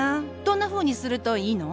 どんなふうにするといいの？